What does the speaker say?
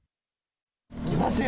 いきますよ。